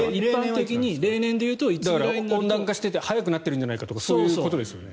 例年でいうと温暖化して早くなってるんじゃないかとかそういうことですよね。